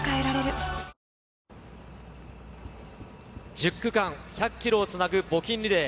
１０区間１００キロをつなぐ募金リレー。